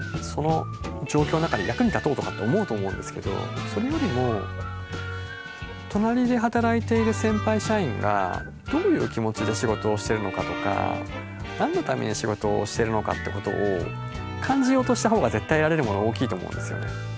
その状況の中で役に立とうとかって思うと思うんですけどそれよりも隣で働いている先輩社員がどういう気持ちで仕事をしてるのかとか何のために仕事をしてるのかってことを感じようとした方が絶対得られるもの大きいと思うんですよね。